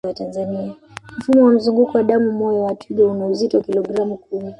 Mfumo wa mzunguko wa damu moyo wa twiga una uzito wa kilogramu kumi